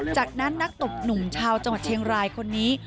จากนั้นนักตบหนุ่มชาวจังหวัดเชียงรายคนนี้